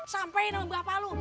sampein sama bapak lu